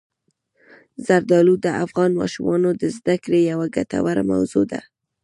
زردالو د افغان ماشومانو د زده کړې یوه ګټوره موضوع ده.